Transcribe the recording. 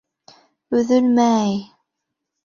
Өҙөлмә-әй...